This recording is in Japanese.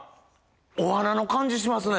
お花の感じしますね